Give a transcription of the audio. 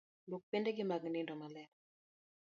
Luok piendeni mag nindo maler.